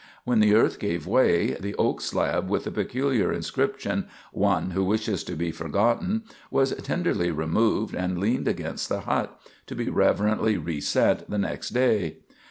When the earth gave way, the oak slab with the peculiar inscription, "One who wishes to be forgotten," was tenderly removed and leaned against the hut, to be reverently reset the next day.